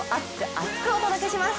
厚く！お届けします。